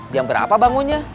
jam berapa bangunya